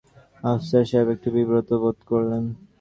আফসার সাহেব একটু বিব্রত বোধ করলেন।